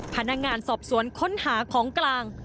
พนักงานสอบสวนค้นหาของกลาง